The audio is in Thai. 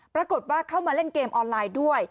ปรากฏว่าเข้ามาเล่นเกมออนไลน์ด้วย